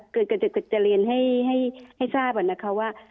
เกิดจะเรียนให้ทราบว่า